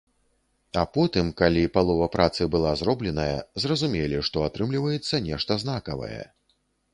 А потым, калі палова працы была зробленая, зразумелі, што атрымліваецца нешта знакавае.